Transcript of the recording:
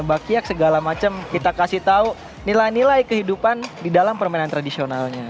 bakiak segala macam kita kasih tahu nilai nilai kehidupan di dalam permainan tradisionalnya